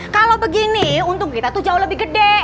kalau begini untung kita tuh jauh lebih gede